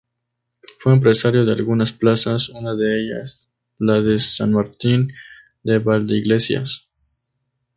Fue empresario de algunas plazas, una de ellas la de San Martín de Valdeiglesias.